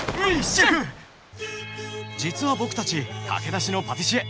実は僕たち駆け出しのパティシエ。